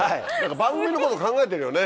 番組のこと考えてるよね。